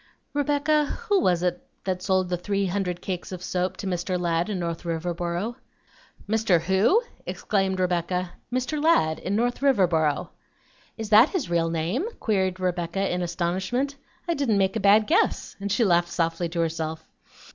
"Rebecca, who was it that sold the three hundred cakes of soap to Mr. Ladd in North Riverboro?" "Mr. WHO?" exclaimed Rebecca. "Mr. Ladd, in North Riverboro." "Is that his real name?" queried Rebecca in astonishment. "I didn't make a bad guess;" and she laughed softly to herself.